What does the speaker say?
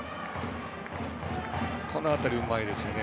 この辺りがうまいですよね。